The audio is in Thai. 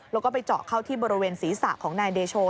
แล้วก็ไปเจาะเข้าที่บริเวณศีรษะของนายเดโช